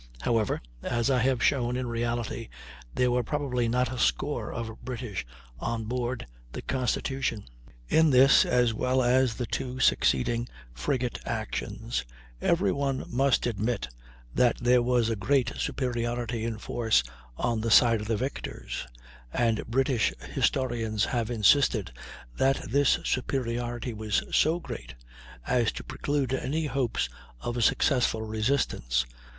However, as I have shown, in reality there were probably not a score of British on board the Constitution. In this, as well as the two succeeding frigate actions, every one must admit that there was a great superiority in force on the side of the victors, and British historians have insisted that this superiority was so great as to preclude any hopes of a successful resistance.